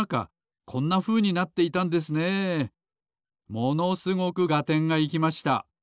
ものすごくがてんがいきました。